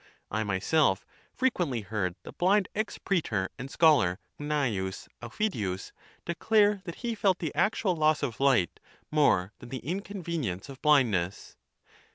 I myself frequently heard the blind ex praetor and scholar Gnaeus Aufi diua declare that he felt tlie actual loss of light more than the inconvenience of blindness.